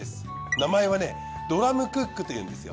名前はドラムクックっていうんですよ。